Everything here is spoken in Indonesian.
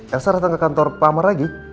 elsa datang ke kantor pak amar lagi